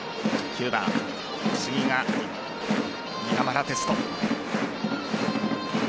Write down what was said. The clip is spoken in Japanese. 次が山田哲人。